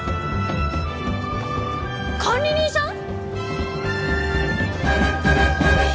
管理人さん！？